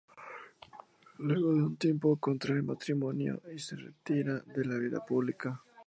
Luego de un tiempo contrae matrimonio y se retira de la vida pública.